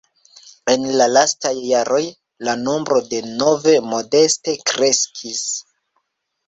En la lastaj jaroj la nombro de nove modeste kreskis.